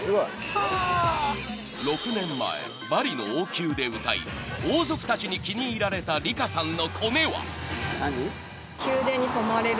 ［６年前バリの王宮で歌い王族たちに気に入られた里香さんのコネは？］